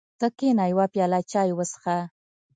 ته کېنه یوه پیاله چای وڅښه.